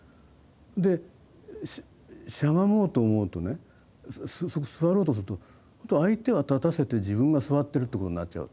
でしゃがもうと思うとね座ろうとすると相手は立たせて自分が座ってるってことになっちゃうと。